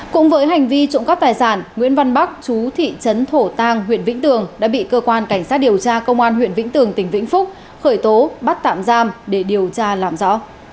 cũng với hành vi trộm cắp tài sản nguyễn văn bắc chú thị trấn thổ tàng huyện vĩnh tường đã bị cơ quan cảnh sát điều tra công an huyện vĩnh tường tỉnh vĩnh phúc khởi tố bắt tạm giam để điều tra làm rõ